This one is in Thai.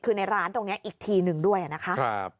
คือในร้านตรงนี้อีกทีหนึ่งด้วยนะคะ